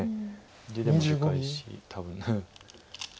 地でもでかいし多分。